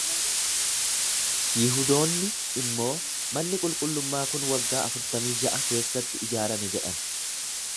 Yihudoonni immoo, Manni qulqullummaa kun waggaa afurtamii ja'a keessatti ijaarame jedhan.